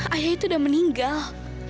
ayah itu udah meninggal